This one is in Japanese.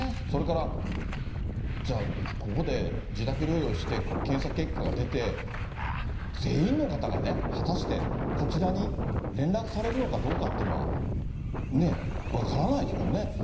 それから、じゃあ、ここで自宅療養して、検査結果が出て、全員の方がね、果たしてこちらに連絡されるのかどうかっていうのはね、分からないですもんね。